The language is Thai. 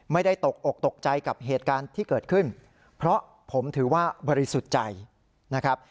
ตกอกตกใจกับเหตุการณ์ที่เกิดขึ้นเพราะผมถือว่าบริสุทธิ์ใจนะครับ